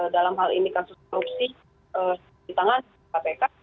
dalam hal ini kasus korupsi di tangan kpk